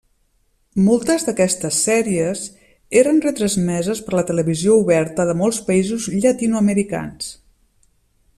Moltes d'aquestes sèries eren retransmeses per la televisió oberta de molts països llatinoamericans.